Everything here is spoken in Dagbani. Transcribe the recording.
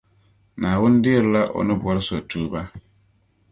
Naawuni deerila O ni bɔri so tuuba